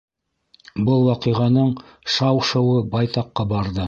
Был ваҡиғаның шау-шыуы байтаҡҡа барҙы.